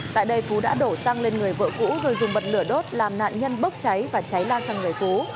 tại đây phú đã đổ xăng lên người vợ cũ rồi dùng bật lửa đốt làm nạn nhân bốc cháy và cháy lan sang người phú